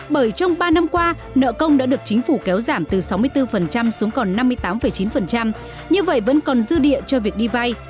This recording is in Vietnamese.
bởi trong ba năm qua nợ công đã được chính phủ kéo giảm từ sáu mươi bốn xuống còn năm mươi tám chín như vậy vẫn còn dư địa cho việc đi vay